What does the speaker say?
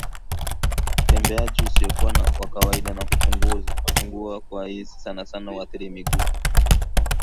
Utembeaji usiokuwa wa kawaida na kupungua kwa hisi sanasana huathiri miguu